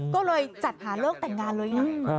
ก็เลยจัดหาเลิกแต่งงานเลยไง